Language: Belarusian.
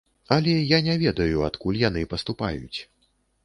Але я не ведаю, адкуль яны паступаюць.